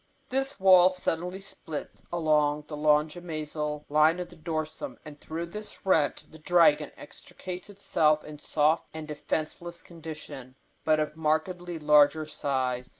This wall then suddenly splits along the longimesial line of the dorsum, and through this rent the dragon extricates itself in soft and defenceless condition, but of markedly larger size.